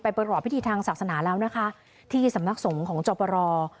ไปประหลอดพิธีทางศักดิ์สนาแล้วนะคะที่สำนักศงของจบรอ